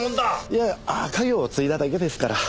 いやあっ家業を継いだだけですから。